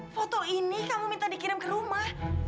foto ini kamu minta dikirim ke rumah